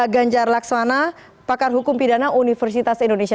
ganjar laksana pakar hukum pidana universitas indonesia